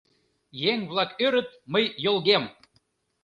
Еҥ-влак ӧрыт, мый йолгем;